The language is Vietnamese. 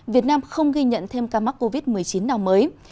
việt nam không ghi nhận thêm ca mắc covid một mươi chín nào mới